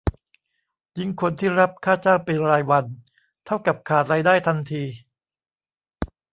ยิ่งคนที่รับค่าจ้างเป็นรายวัน เท่ากับขาดรายได้ทันที